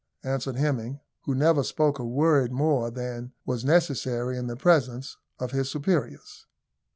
answered Hemming, who never spoke a work more than was necessary in the presence of his superiors.